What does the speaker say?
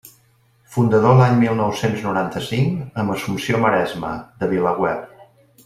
Fundador l'any mil nou-cents noranta-cinc, amb Assumpció Maresma, de VilaWeb.